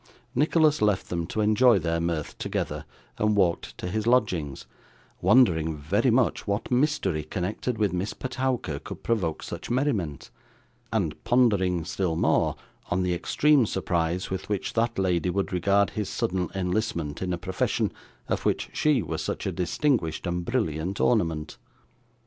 Nicholas left them to enjoy their mirth together, and walked to his lodgings; wondering very much what mystery connected with Miss Petowker could provoke such merriment, and pondering still more on the extreme surprise with which that lady would regard his sudden enlistment in a profession of which she was such a distinguished and brilliant ornament.